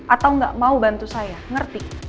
atau nggak mau bantu saya ngerti